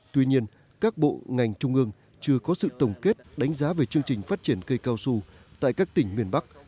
tuy nhiên các bộ ngành trung ương chưa có sự tổng kết đánh giá về chương trình phát triển cây cao su tại các tỉnh miền bắc